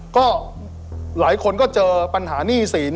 ก็หลายคนก็เจอปัญหาหนี้สิน